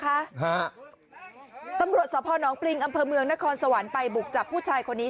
ฮะตำรวจสพนปริงอำเภอเมืองนครสวรรค์ไปบุกจับผู้ชายคนนี้